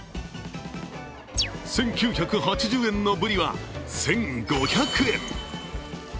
１９８０円のぶりは、１５００円。